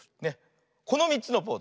この３つのポーズ。